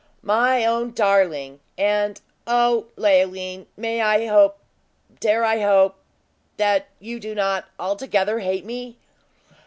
"My own darling! And, O Leoline! may I hope dare I hope that you do not altogether hate me?"